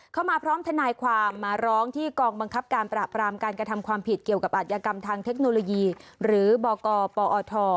พร้อมทนายความมาร้องที่กองบังคับการปราบรามการกระทำความผิดเกี่ยวกับอัธยกรรมทางเทคโนโลยีหรือบกปอท